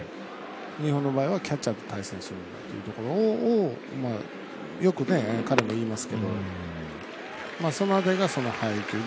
日本の場合はキャッチャーと対戦するんだということをよく彼も言いますけどその辺りが、その配球。